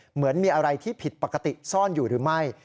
เหมือนมีอะไรที่ผิดปกติซ่อนอยู่หรือไม่